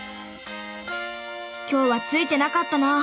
今日はついてなかったな。